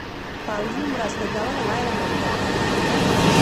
پوځي مرستې کول غیر ممکنه ده.